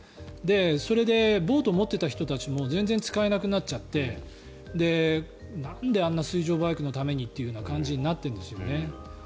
それでボートを持っていた人たちも全然使えなくなっちゃってなんであんな水上バイクのためにって感じになってるんですよね。